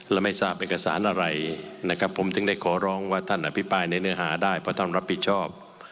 และไม่ทราบเอกสารอะไรนะครับผมถึงได้ขอร้องว่าท่านอภิปรายในเนื้อหาได้เพราะท่านรับผิดชอบ